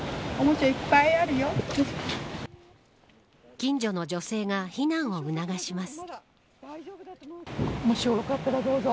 近所の女性が避難を促します。